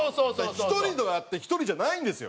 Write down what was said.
だから１人であって１人じゃないんですよ。